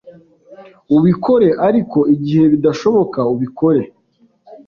ubikore ariko igihe bidashoboka ubikore